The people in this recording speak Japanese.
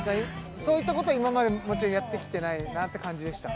そういったこと今までやってきてないなって感じでしたか